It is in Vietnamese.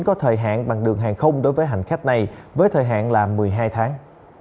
có thời hạn bằng đường hàng không đối với hành khách này với thời hạn là một mươi hai tháng